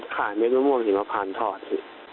ขายเม็ดมะม่วงหิมพานทอดสิ